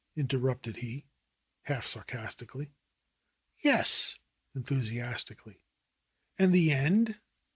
interrupted he, half sarcasti cally. "Yes," enthusiastically. "And the end